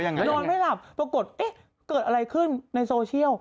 นอนไม่หลับปรากฏเอ๊ะเกิดอะไรขึ้นในโซเชียล